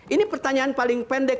ini pertanyaan paling pendek